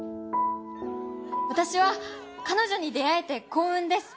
私は彼女に出会えて幸運です。